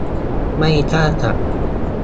ไม่ฆ่าสัตว์